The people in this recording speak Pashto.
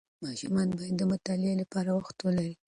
ماشومان باید د مطالعې لپاره وخت ولري.